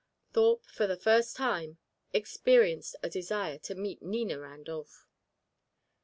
Thorpe, for the first time, experienced a desire to meet Nina Randolph.